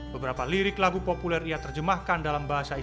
beberapa lirik lagu populer ia terjemahkan dalam bahasa inggris